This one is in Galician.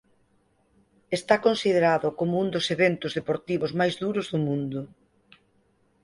Está considerado como un dos eventos deportivos máis duros do mundo.